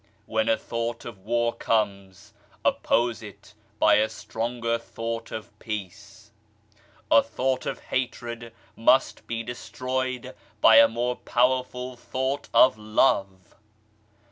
When a thought of war comes, oppose it by a stronger thought of Peace. A thought of hatred must be destroyed by a more powerful thought of Love.